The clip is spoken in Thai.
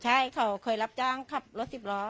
ใช่เขาเคยรับจ้างขับรถสิบล้อ